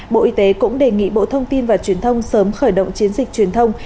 bộ y tế cũng đề nghị bộ thông tin và truyền thông sớm khởi động chiến dịch truyền thông